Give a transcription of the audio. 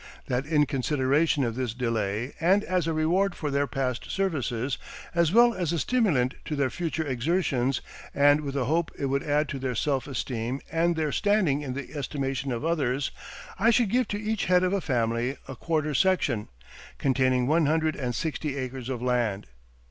That in consideration of this delay, and as a reward for their past services, as well as a stimulant to their future exertions, and with a hope it would add to their self esteem and their standing in the estimation of others, I should give to each head of a family a quarter section, containing one hundred and sixty acres of land.